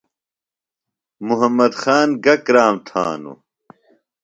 محمد خان گہ کرام تھانوۡ؟